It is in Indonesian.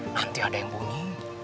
nanti ada yang bunyi